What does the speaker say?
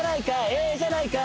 ええじゃないか！